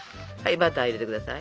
バター入れてください。